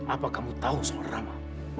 apa kamu tahu suara rama